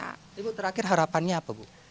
tapi bu terakhir harapannya apa bu